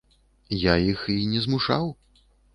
Я іх і не змушаў.